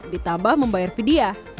ditambah membayar vidya